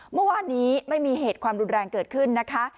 เมื่อวานนี้ไม่มีเหตุความรุนแรงเกิดขึ้นนะคะ